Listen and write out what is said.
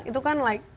itu kan like